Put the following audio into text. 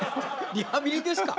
リハビリですか？